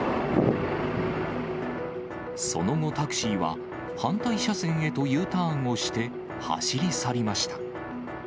その後、タクシーは反対車線へとＵターンをして走り去りました。